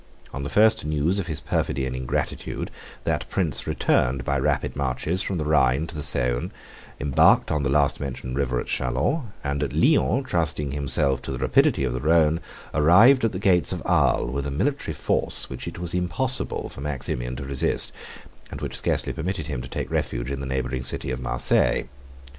On the first news of his perfidy and ingratitude, that prince returned by rapid marches from the Rhine to the Saone, embarked on the last mentioned river at Chalons, and, at Lyons trusting himself to the rapidity of the Rhone, arrived at the gates of Arles with a military force which it was impossible for Maximian to resist, and which scarcely permitted him to take refuge in the neighboring city of Marseilles.